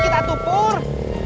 serang dikit atupur